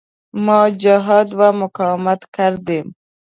ما جهاد و مقاومت کردیم.